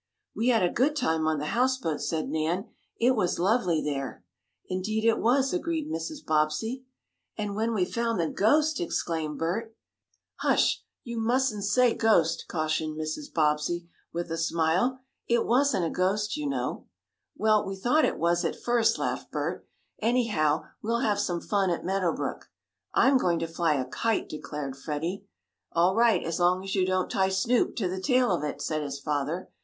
"We had a good time on the houseboat," said Nan. "It was lovely there." "Indeed it was," agreed Mrs. Bobbsey. "And when we found the ghost!" exclaimed Bert. "Hush! You mustn't say ghost!" cautioned Mrs. Bobbsey, with a smile. "It wasn't a ghost, you know." "Well, we thought it was at first," laughed Bert. "Anyhow we'll have some fun at Meadow Brook." "I'm going to fly a kite!" declared Freddie. "All right, as long as you don't tie Snoop to the tail of it," said his father.